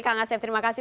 kang asef terima kasih